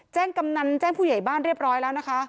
กำนันแจ้งผู้ใหญ่บ้านเรียบร้อยแล้วนะคะ